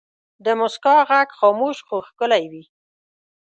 د مسکا ږغ خاموش خو ښکلی وي.